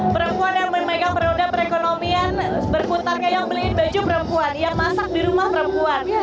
perempuan yang memegang roda perekonomian berputarnya yang beliin baju perempuan yang masak di rumah perempuan